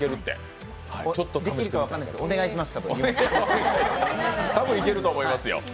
できるか分かんないですけどお願いします。